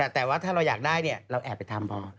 แต่ว่าถ้าเราอยากได้เราแอบไปทำพอ